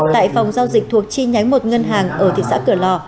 tại phòng giao dịch thuộc chi nhánh một ngân hàng ở thị xã cửa lò